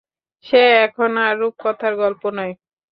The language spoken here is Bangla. সে এখন আর রূপকথার গল্প নয়।